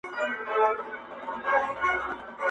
هغه اوس گل كنـدهار مـــاتــه پــرېــږدي_